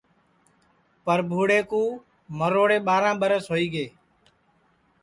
پربھوڑے کُو مروڑے ٻاراں ٻرس ہوئی گے